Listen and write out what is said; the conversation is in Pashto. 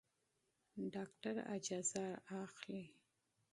ډاکټر اجازه اخلي.